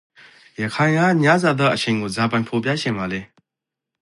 ရခိုင်ကညဇာသားအချိန်ကိုဇာပိုင် ဖော်ပြချင်ပါလဲ?